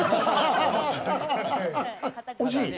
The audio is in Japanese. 惜しい？